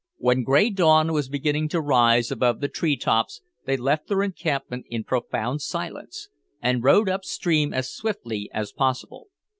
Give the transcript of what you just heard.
When grey dawn was beginning to rise above the tree tops, they left their encampment in profound silence, and rowed up stream as swiftly as possible.